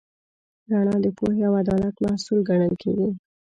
رڼا د پوهې او عدالت محصول ګڼل کېږي.